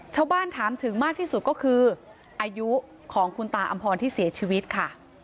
ถามถึงมากที่สุดก็คืออายุของคุณตาอำพรที่เสียชีวิตค่ะ